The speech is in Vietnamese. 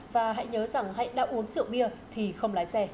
và hãy nhớ rằng hãy đã uống rượu bia thì không lái xe